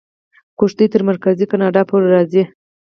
کښتۍ تر مرکزي کاناډا پورې راځي.